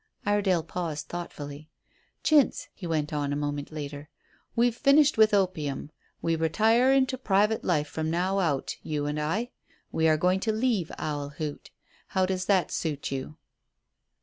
Iredale paused thoughtfully. "Chintz," he went on a moment later, "we've finished with opium. We retire into private life from now out you and I. We are going to leave Owl Hoot. How does that suit you?"